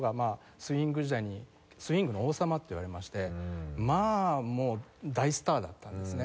スウィング時代にスウィングの王様っていわれましてまあもう大スターだったんですね。